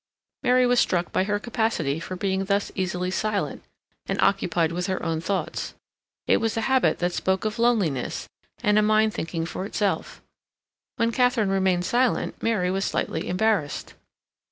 Mary was struck by her capacity for being thus easily silent, and occupied with her own thoughts. It was a habit that spoke of loneliness and a mind thinking for itself. When Katharine remained silent Mary was slightly embarrassed.